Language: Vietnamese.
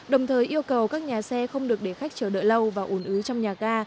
đồng thời yêu cầu các nhà xe không được để khách chờ đợi lâu và ủn ứ trong nhà ga